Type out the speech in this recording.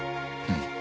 うん。